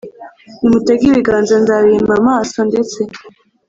Nimutega ibiganza nzabima amaso ndetse